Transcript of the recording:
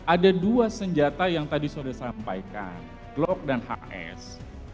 ada dua senjata yang tadi sudah sampaikan glock dan hs